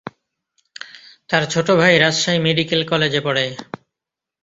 তার ছোট ভাই রাজশাহী মেডিকেল কলেজে পড়ে।